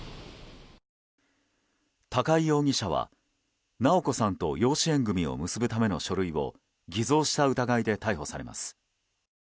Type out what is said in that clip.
高井容疑者は直子さんと養子縁組を結ぶための書類を偽造した疑いで逮捕されます。